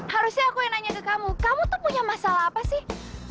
harusnya aku yang nanya ke kamu kamu tuh punya masalah apa sih